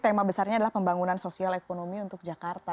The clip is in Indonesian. tema besarnya adalah pembangunan sosial ekonomi untuk jakarta